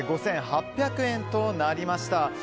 ５８００円となりました。